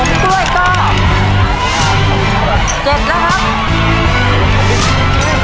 นมกล้วย๖ตรงแล้วนะครับ